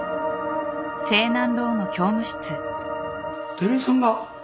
照井さんが？